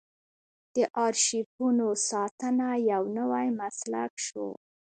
د ارشیفونو ساتنه یو نوی مسلک شو.